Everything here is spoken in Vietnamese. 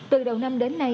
từ đầu năm đến